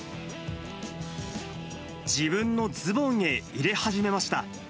自分のズボンへ入れ始めました。